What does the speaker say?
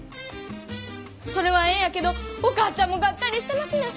それはええんやけどお母ちゃんもがっかりしてますねん。